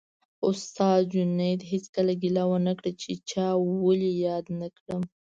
استاد جنید هېڅکله ګیله ونه کړه چې چا ولې یاد نه کړم